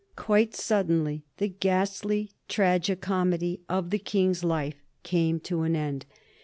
Quite suddenly the ghastly tragi comedy of the King's life came to an end.